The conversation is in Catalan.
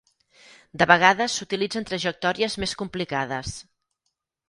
De vegades s'utilitzen trajectòries més complicades.